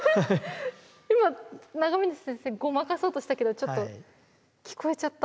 今永峰先生ごまかそうとしたけどちょっと聞こえちゃった。